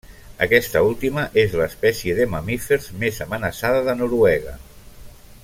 Aquesta última és l'espècie de mamífers més amenaçada de Noruega.